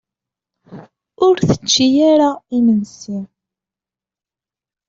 Ur tečči ara imensi.